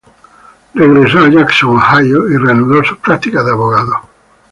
Regresó a Jackson, Ohio, y reanudó sus prácticas de abogado.